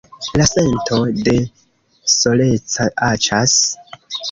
La sento de soleca aĉas.